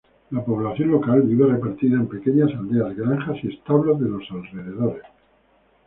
La población local vive repartida en pequeñas aldeas, granjas y establos de los alrededores.